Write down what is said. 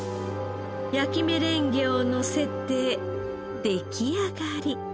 焼きメレンゲをのせて出来上がり。